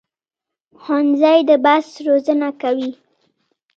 ښوونځی د بحث روزنه کوي